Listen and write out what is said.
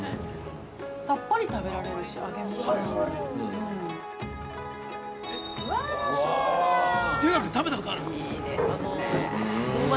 さっぱり食べられるし揚げ物なのに。